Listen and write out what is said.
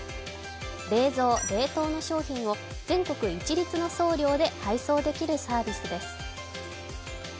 冷蔵・冷凍の商品を全国一律の送料で配送できるサービスです。